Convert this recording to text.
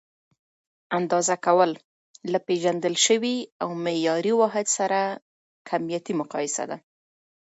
اندازه کول: له پېژندل شوي او معیاري واحد سره کمیتي مقایسه ده.